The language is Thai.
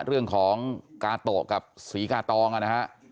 เรื่องของการกาโตะกับศรีกาตองนะฮะ